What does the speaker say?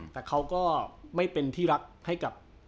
แต่เขาก็ไม่เป็นที่รักให้กับ